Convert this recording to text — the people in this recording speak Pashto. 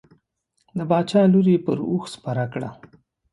د باچا لور یې پر اوښ سپره کړه.